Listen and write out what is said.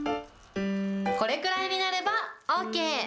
これくらいになればＯＫ。